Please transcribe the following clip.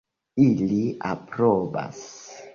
Ili aprobas.